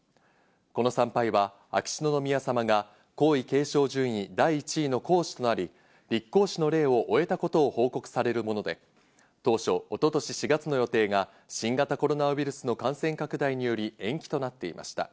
この参拝は秋篠宮さまが皇位継承順位第１位の皇嗣となり、立皇嗣の礼を終えたことを報告されるもので、当初、一昨年４月の予定が新型コロナウイルスの感染拡大により延期となっていました。